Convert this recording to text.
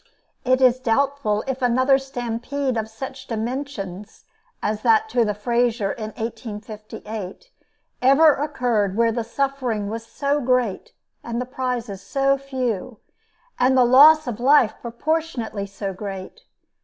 It is doubtful if another stampede of such dimensions as that to the Fraser in 1858 ever occurred where the suffering was so great, the prizes so few, and the loss of life proportionately so great.